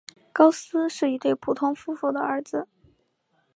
高斯是一对普通夫妇的儿子。